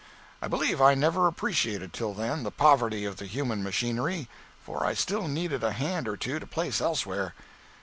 I believe I never appreciated, till then, the poverty of the human machinery—for I still needed a hand or two to place elsewhere.